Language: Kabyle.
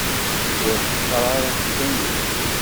Ur ḥeqqeṛ ara axṣim-ik.